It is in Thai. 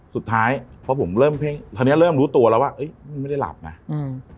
สุดท้ายพอผมเริ่มเพ่งตอนเนี้ยเริ่มรู้ตัวแล้วว่าเอ้ยมันไม่ได้หลับไงอืม